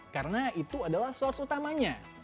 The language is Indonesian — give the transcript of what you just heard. karena itu adalah source utamanya